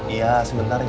iya sebentar cek